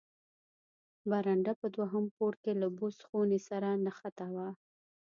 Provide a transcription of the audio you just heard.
برنډه په دوهم پوړ کې له بوس خونې سره نښته وه.